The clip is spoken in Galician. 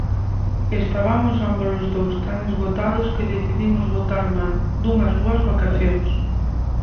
Estabamos ámbolos dous tan esgotados que decidimos botar man dunhas boas vacacións.